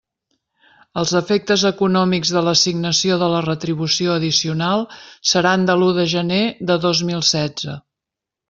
Els efectes econòmics de l'assignació de la retribució addicional seran de l'u de gener de dos mil setze.